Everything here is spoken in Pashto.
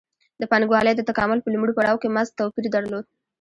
د پانګوالۍ د تکامل په لومړي پړاو کې مزد توپیر درلود